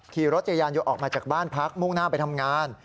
ขี่รถทยาลงออกมาจากบ้านพักมุ่งน่าไปทำงาน